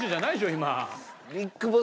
今。